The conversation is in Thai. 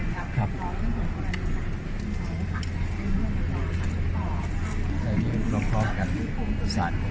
มากอลิไฟต์มีคุณรักษาของคุณมากขนาดนี้ครับ